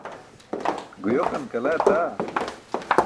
Guyoqan kala etaa!